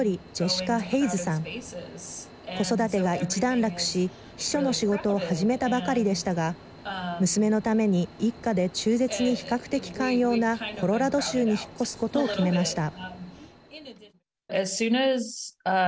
子育てが一段落し秘書の仕事を始めたばかりでしたが娘のために一家で中絶に比較的寛容なコロラド州に引っ越すことを決めました。